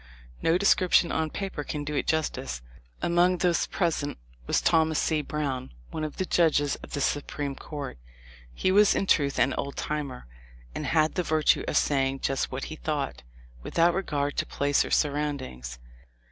No description on paper can do it justice. Among those present was Thomas C. Brown, one of the judges of the Su preme Court. He was in truth an "old timer," and had the virtue of saying just what he thought, without regard to place or surroundings.